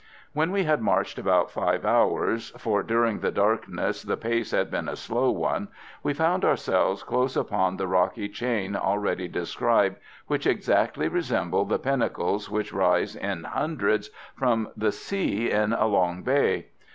When we had marched about five hours, for during the darkness the pace had been a slow one, we found ourselves close upon the rocky chain already described, which exactly resembled the pinnacles which rise in hundreds from the sea in Along Bay.